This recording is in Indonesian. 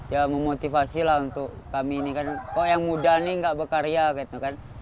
ya memotivasi lah untuk kami ini kan kok yang muda nih gak berkarya gitu kan